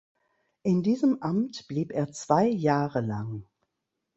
In diesem Amt blieb er zwei Jahre lang.